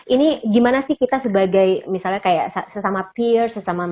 ini bagaimana kita sebagai misalnya sesama peer